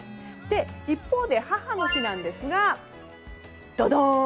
一方で、母の日なんですがドドーン！